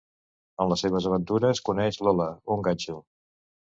En les seves aventures, coneixen Lola, un ganxo.